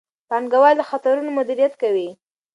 پانګوال د خطرونو مدیریت کوي.